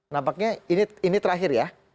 nampaknya ini terakhir ya